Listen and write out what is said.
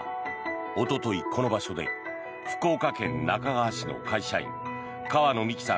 おととい、この場所で福岡県那珂川市の会社員川野美樹さん